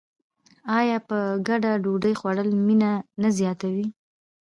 آیا په ګډه ډوډۍ خوړل مینه نه زیاتوي؟